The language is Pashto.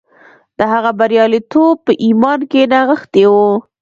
د هغه برياليتوب په ايمان کې نغښتی و.